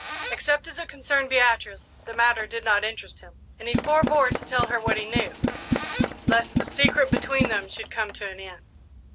Except as it concerned Beatrice, the matter did not interest him, and he forbore to tell her what he knew, lest the "secret" between them should come to an end.